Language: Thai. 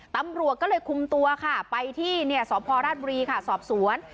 ตำรวจก็เลยคุมตัวค่ะไปที่สพราชบุรีค่ะสอบสวน